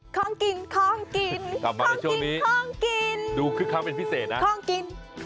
คล้องกินคล้องกินคล้องกินคล้องกิน